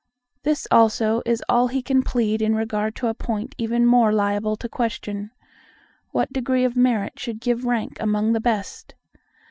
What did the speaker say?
This also is all he can plead in regard to a point even more liable to question—what degree of merit should give rank among the best.